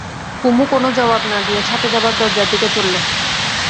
কুমু কোনো জবাব না দিয়ে ছাতে যাবার দরজার দিকে চলল।